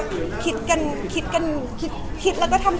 พอเสร็จจากเล็กคาเป็ดก็จะมีเยอะแยะมากมาย